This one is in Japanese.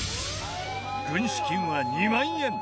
軍資金は２万円。